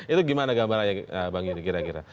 itu bagaimana gambar bang yudi kira kira